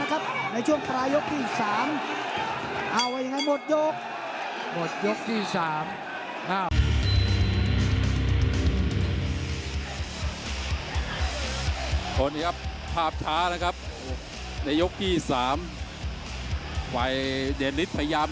ขึ้นแค่งขวามาเสริม